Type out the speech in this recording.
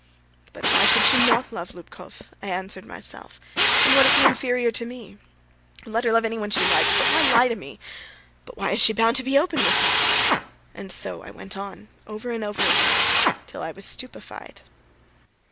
But why should she not love Lubkov?" I answered myself. "In what is he inferior to me? Oh, let her love any one she likes, but why lie to me? But why is she bound to be open with me?" And so I went on over and over again till I was stupefied.